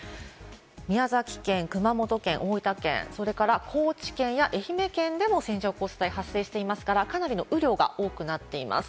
宮崎県、熊本県、大分県、それから高知県や愛媛県でも線状降水帯が発生していますからかなりの雨量が多くなっています。